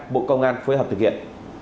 bộ công an phối hợp thực hiện